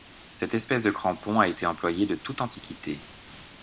Cette espèce de crampon a été employé de toute antiquité.